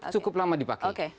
cukup lama dipakai